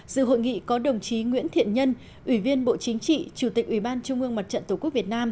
dự hội nghị có đồng chí nguyễn thiện nhân ủy viên bộ chính trị chủ tịch ubnd tqv